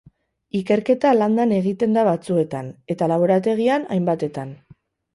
Ikerketa landan egiten da batzuetan, eta laborategian, hainbatetan.